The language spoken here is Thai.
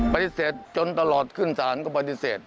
ปฏิเสธจนตลอดขึ้นศาลก็ปฏิเสธ